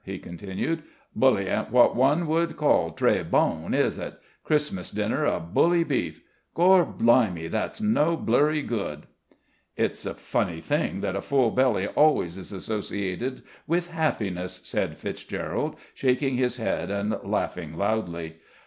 he continued. "Bully ain't wot one would call très bon, is it? Christmas dinner of bully beef! Gor'blimey! that's no blurry good!" "It's a funny thing that a full belly always is associated with happiness," said Fitzgerald, shaking his head and laughing loudly.